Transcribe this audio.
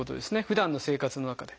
ふだんの生活の中で。